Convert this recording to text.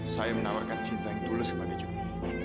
saya menawarkan cinta yang tulus kepada jumi